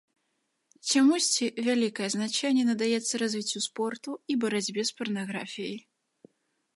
Чамусьці вялікае значэнне надаецца развіццю спорту і барацьбе з парнаграфіяй.